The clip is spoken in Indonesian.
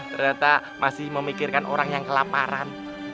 ternyata masih memikirkan orang yang kelaparan